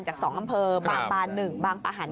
จาก๒อำเภอบางบาน๑บางประหัน